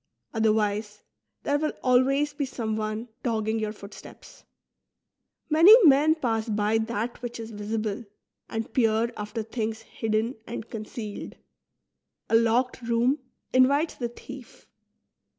Othenvise, there will always be someone dogging your footsteps. Many men pass by that which is visible, and peer after things hidden and concealed ; a locked room in vites the thief.